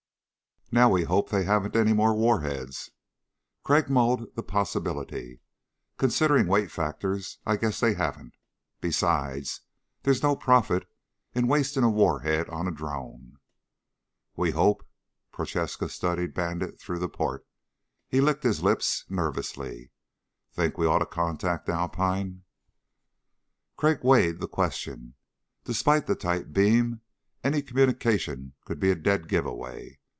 "Now we hope they haven't any more warheads." Crag mulled the possibility. "Considering weight factors, I'd guess they haven't. Besides, there's no profit in wasting a warhead on a drone." "We hope." Prochaska studied Bandit through the port, and licked his lips nervously. "Think we ought to contact Alpine?" Crag weighed the question. Despite the tight beam, any communication could be a dead giveaway.